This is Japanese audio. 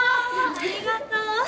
ありがとう！